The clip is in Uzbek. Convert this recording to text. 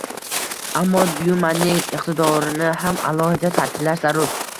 Ammo Dyumaning iqtidorini ham alohida ta'kidlash zarur